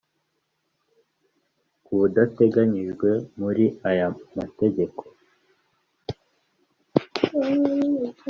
Kubadateganyijwe muri aya mategeko